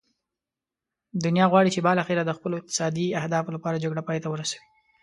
دنیا غواړي چې بالاخره د خپلو اقتصادي اهدافو لپاره جګړه پای ته ورسوي.